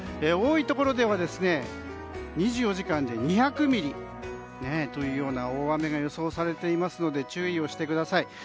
多いところでは２４時間で２００ミリという大雨が予想されていますので注意をしてください。